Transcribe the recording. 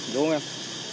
đúng không em